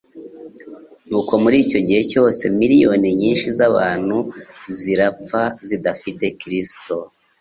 Nuko muri icyo gihe cyose miliyoni nyinshi z'abantu zirapfa zidafite Kristo.